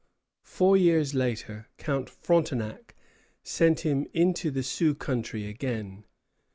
] Four years later, Count Frontenac sent him to the Sioux country again.